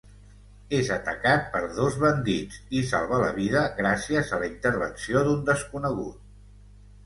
És atacat per dos bandits i salva la vida gràcies a la intervenció d'un desconegut.